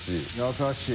優しい。